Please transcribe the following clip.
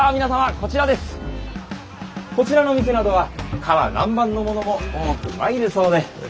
こちらの店などは唐南蛮のものも多く参るそうで！